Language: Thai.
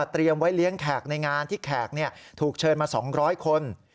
เตรียมไว้เลี้ยงแขกในงานที่แขกถูกเชิญมา๒๐๐คน